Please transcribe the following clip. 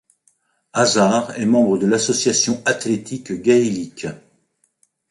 Hazzard est membre de l'Association athlétique gaélique.